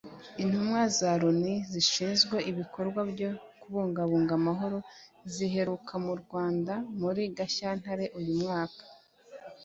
Intumwa za Loni zishinzwe ibikorwa byo kubungabunga amahoro ziheruka mu Rwanda muri Gashyantare uyu mwaka